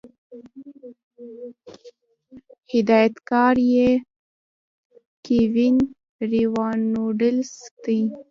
هدايتکار ئې Kevin Reynolds دے